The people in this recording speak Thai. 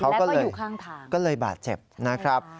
แล้วก็อยู่ข้างทางก็เลยบาดเจ็บนะครับ